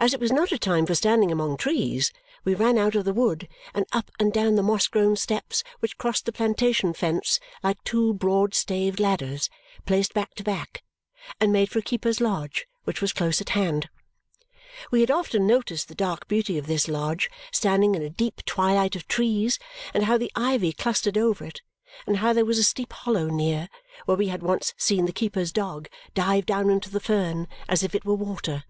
As it was not a time for standing among trees, we ran out of the wood, and up and down the moss grown steps which crossed the plantation fence like two broad staved ladders placed back to back, and made for a keeper's lodge which was close at hand. We had often noticed the dark beauty of this lodge standing in a deep twilight of trees, and how the ivy clustered over it, and how there was a steep hollow near, where we had once seen the keeper's dog dive down into the fern as if it were water.